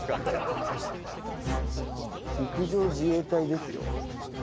陸上自衛隊ですよ。